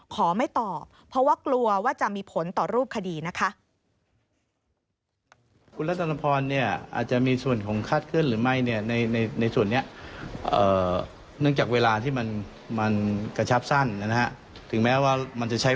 ขอไม่ตอบเพราะว่ากลัวว่าจะมีผลต่อรูปคดีนะคะ